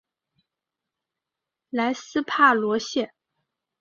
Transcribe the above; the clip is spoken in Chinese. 莱斯帕罗谢。